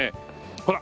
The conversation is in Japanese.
ほら！